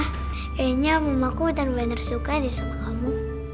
kayaknya mama aku udah bener bener suka di sampah kamu